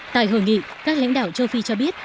tại hội nghị các lãnh đạo châu phi cho biết